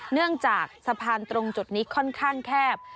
เนื่องจากสะพานตรงจุดนี้ค่อนข้างแคบ